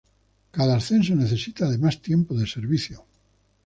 Cada ascenso necesita de más tiempo de servicio.